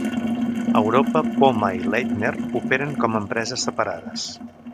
A Europa, Poma i Leitner operen com empreses separades.